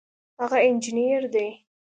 هغه انجینر دی